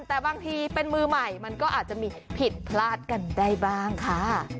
แต่บางทีเป็นมือใหม่มันก็อาจจะมีผิดพลาดกันได้บ้างค่ะ